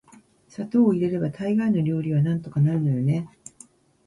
砂糖を入れれば大概の料理はなんとかなるのよね～